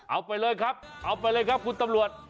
เอาไปเลยครับเอาไปเลยครับคุณตำรวจ